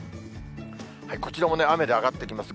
こちらもね、雨で上がってきます。